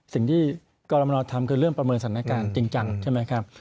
สิ่งที่กรมนทำคือเรื่องประเมินสถานการณ์จริงจังใช่ไหมครับ